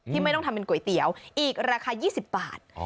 ไม่ต้องทำเป็นก๋วยเตี๋ยวอีกราคา๒๐บาท